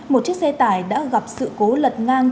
một chiếc xe tải đã gặp sự cố lật ngang